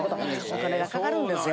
お金が掛かるんですよ。